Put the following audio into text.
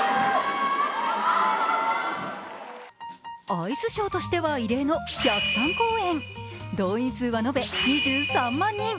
アイスショーとしては異例の１０３公演、動員数は延べ２３万人。